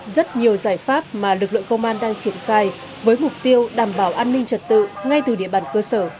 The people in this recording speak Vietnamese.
rất nhiều giải pháp mà lực lượng công an đang triển khai với mục tiêu đảm bảo an ninh trật tự ngay từ địa bàn cơ sở